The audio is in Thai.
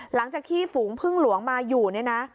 หลังจากที่ฝูงพึ่งหลวงมาอยู่เนี่ยนะ